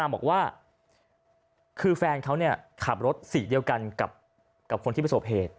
บอกว่าคือแฟนเขาขับรถสีเดียวกันกับคนที่ประสบเหตุ